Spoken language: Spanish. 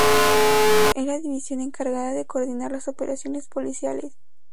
Es la división encargada de coordinar las operaciones policiales.